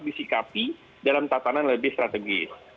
disikapi dalam tatanan lebih strategis